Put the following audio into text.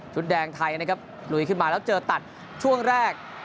ชุดแดงไทยลุยขึ้นมาแล้วเจอตัดช่วงแรก